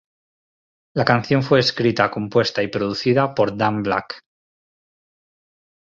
La canción fue escrita, compuesta y producida por Dan Black.